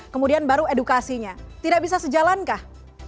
kemudian baru edukasinya tidak bisa sejalankah